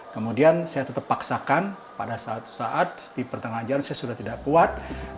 kemudian saya tetap paksakan pada suatu saat di pertengahan jalan saya sudah tidak puat